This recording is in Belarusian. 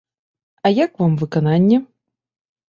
А як вам выкананне?